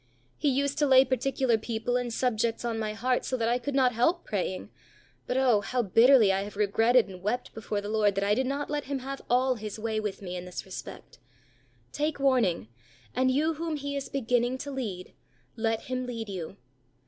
He used to lay particular people and subjects on my heart, so that I could not help praying; but oh! how bitterly I have regretted and wept before the Lord that I did not let Him have all His way with me in this respect. Take warning! and you whom He is beginning to lead, let Him lead you.